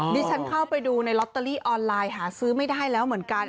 ดิฉันเข้าไปดูในลอตเตอรี่ออนไลน์หาซื้อไม่ได้แล้วเหมือนกัน